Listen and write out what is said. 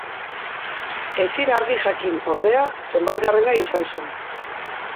Ezin argi jakin, ordea, zenbatgarrena izan zen.